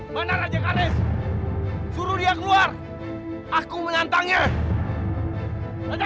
sampai jumpa di video selanjutnya